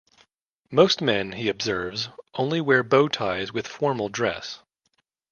Most men, he observes, only wear bow ties with formal dress.